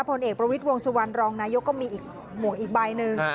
ผลเอกประวิทย์วงสุวรรณรองนายกก็มีอีกหมวกอีกใบหนึ่ง